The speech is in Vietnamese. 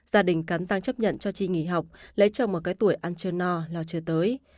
gia đình cắn răng chấp nhận cho chi nghỉ học lấy chồng một cái tuổi ăn chưa no lo chưa tới